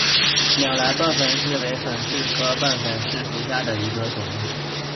乌来棒粉虱为粉虱科棒粉虱属下的一个种。